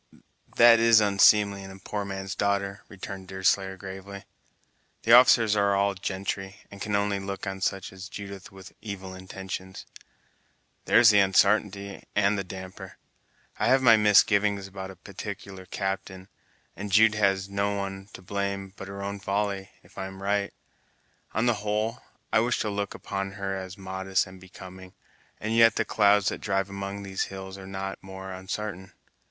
"That is unseemly in a poor man's darter," returned Deerslayer gravely, "the officers are all gentry, and can only look on such as Judith with evil intentions." "There's the unsartainty, and the damper! I have my misgivings about a particular captain, and Jude has no one to blame but her own folly, if I'm right. On the whole, I wish to look upon her as modest and becoming, and yet the clouds that drive among these hills are not more unsartain.